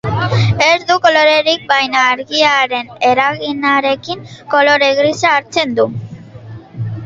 Ez du kolorerik, baina argiaren eraginarekin kolore grisa hartzen du.